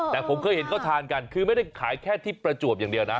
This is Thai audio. แต่ผมเคยเห็นเขาทานกันคือไม่ได้ขายแค่ที่ประจวบอย่างเดียวนะ